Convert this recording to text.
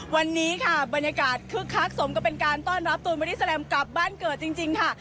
วันนี้ค่ะบรรยากาศคึกคักสมกับเป็นการต้อนรับตูนบอดี้แลมกลับบ้านเกิดจริงค่ะ